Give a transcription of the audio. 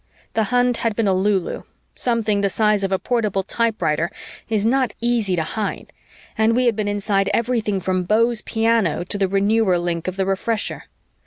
The hunt had been a lulu. Something the size of a portable typewriter is not easy to hide and we had been inside everything from Beau's piano to the renewer link of the Refresher.